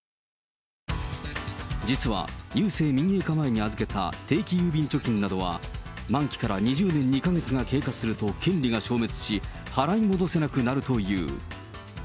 実は、郵政民営化前に預けた定期郵便貯金などは、満期から２０年２か月が経過すると権利が消滅し、払い戻せなくなるという。